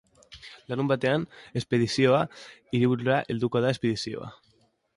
Larunbatean, espedizioa hiriburura helduko da espedizioa.